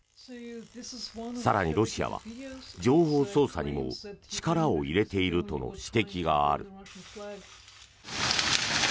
更に、ロシアは情報操作にも力を入れているとの指摘がある。